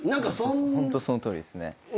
ホントそのとおりですね。